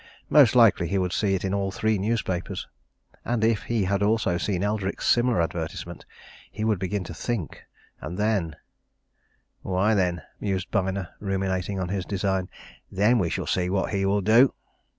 Most likely he would see it in all three newspapers. And if he had also seen Eldrick's similar advertisement, he would begin to think, and then "Why, then," mused Byner, ruminating on his design, "then we will see what he will do!"